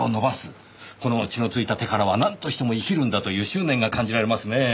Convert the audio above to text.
この血のついた手からはなんとしても生きるんだという執念が感じられますねぇ。